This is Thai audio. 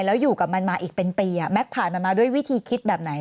แล้วอยู่กับมันมาอีกเป็นปีแม็กซ์ผ่านมันมาด้วยวิธีคิดแบบไหน